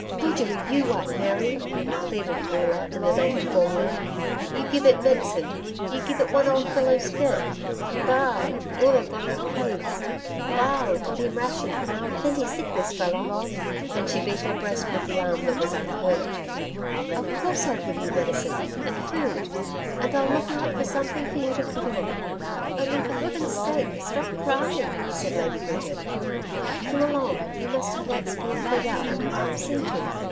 'BUJERI* YOU, white Mary!' pleaded Oola in the native formula. 'You gib it medsin.... You gib it one old fellow skirt.... BA'AL, Oola got 'im clothes... BA'AL got 'im ration... plenty sick this feller....' And she beat her breast with the arm that was unhurt. [*Bujeri Very good.] 'Of course, I'll give you medicine and food, and I'll look out something for you to put on. Only for heaven's sake, stop crying,' said Lady Bridget. 'Come along. You must have that spear pulled out and your arm seen to.